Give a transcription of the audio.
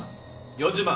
４０万。